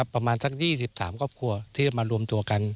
ประมาณสัก๒๓ครอบครัวที่จะมารวมตัวกัน